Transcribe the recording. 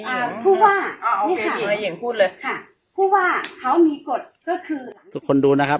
อ่าพูดว่านี่ค่ะพูดว่าเขามีกฎก็คือทุกคนดูนะครับ